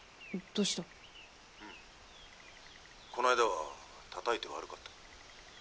こないだはたたいて悪かった」。